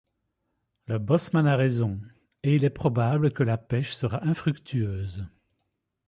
Le bosseman a raison, et il est probable que la pêche sera infructueuse.